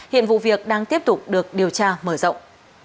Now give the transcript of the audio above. hiện vụ việc đang tiếp tục được điều tra mở rộng